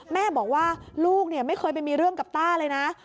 แม่บอกว่าลูกไม่เคยไปมีเรื่องกับต้าเลยนะ